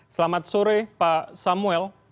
selamat sore pak samuel